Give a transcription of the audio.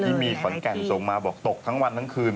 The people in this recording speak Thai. เมื่อกี้มีฝนกัดสงมาบอกตกทั้งวันทั้งคืน